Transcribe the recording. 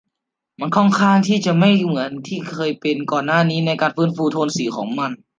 มันค่อนข้างที่จะไม่เหมือนที่เคยเป็นก่อนหน้านี้ในการฟื้นฟูโทนสีของมัน